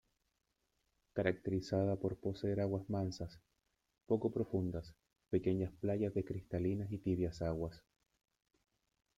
Caracterizada por poseer aguas mansas, poco profundas, pequeñas playas de cristalinas y tibias aguas.